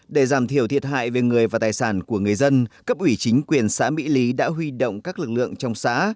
để giảm thiểu thiệt hại về người và tài sản của người dân cấp ủy chính quyền xã mỹ lý đã huy động các lực lượng trong xã